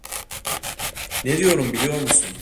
Ne diyorum biliyor musun?